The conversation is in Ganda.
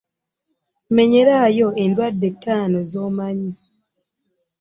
Menyerayo endwadde ttaano zomanyi .